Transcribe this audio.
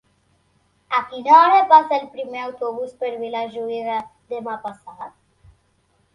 A quina hora passa el primer autobús per Vilajuïga demà passat?